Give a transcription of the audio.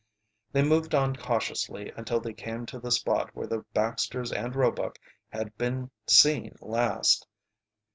They moved on cautiously until they came to the spot where the Baxters and Roebuck had been seen last.